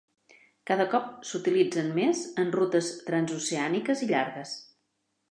Cada cop s'utilitzen més en rutes transoceàniques i llargues.